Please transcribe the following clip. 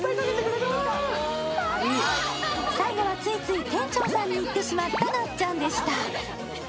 最後はついつい店長さんに行ってしまったなっちゃんでした。